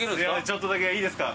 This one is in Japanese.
ちょっとだけいいですか？